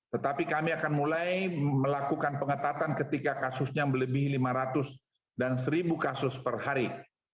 tetapi kami akan mulai melakukan pengetatan ketika kasusnya melebihi lima ratus dan seribu kasus per hari